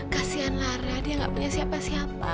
kasian lara dia gak punya siapa siapa